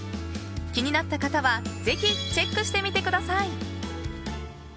気になった方はぜひチェックしてみてください。